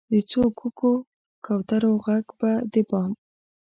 د څو ګوګو، کوترو ږغ به د بام،